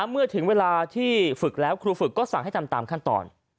เมื่อถึงเวลาที่ฝึกแล้วครูฝึกก็สั่งให้ทำตามขั้นตอน